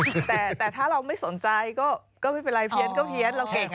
แต่ถ้าเราไม่สนใจก็ไม่เป็นไรเพี้ยนก็เพี้ยนเราเก่ง